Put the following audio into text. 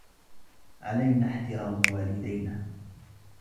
علينا احترام والدينا.